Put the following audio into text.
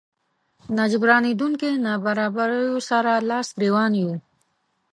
ناجبرانېدونکو نابرابريو سره لاس ګریوان يو.